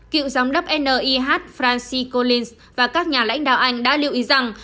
cựu giám đốc nih francis collins và các nhà lãnh đạo anh đã lưu ý rằng